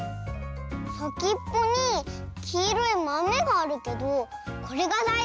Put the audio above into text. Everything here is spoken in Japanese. さきっぽにきいろいまめがあるけどこれがだいず？